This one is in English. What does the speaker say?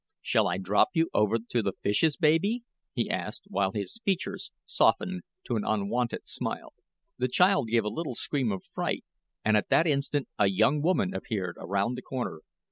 "Shall I drop you over to the fishes, baby?" he asked, while his features softened to an unwonted smile. The child gave a little scream of fright, and at that instant a young woman appeared around the corner.